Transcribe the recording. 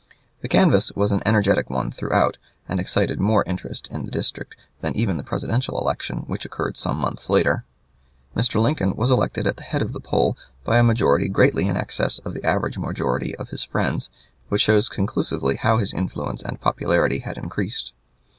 The canvass was an energetic one throughout, and excited more interest, in the district than even the presidential election, which occurred some months later. Mr. Lincoln was elected at the head of the poll by a majority greatly in excess of the average majority of his friends, which shows conclusively how his influence and popularity had increased.